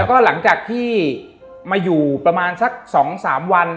ก็หลังจากที่มาอยู่ประมาณสัก๒๓วัน